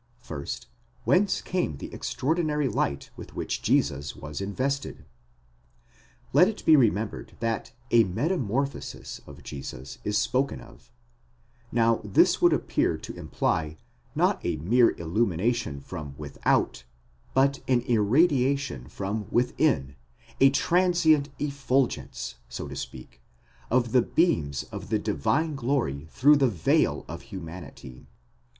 First, whence came the extraordinary light with which Jesus was invested? Let it be remembered that a metamorphosis of Jesus is spoken of (μεταμορφώθη ἔμπροσθεν αὐτῶν) : now this would appear to imply, not a mere illumination from without, but an irradiation from within, a transient effulgence, so to speak, of the beams of the divine glory through the veil of humanity.